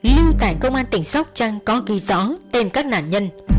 lưu tại công an tỉnh sóc trăng có ghi rõ tên các nạn nhân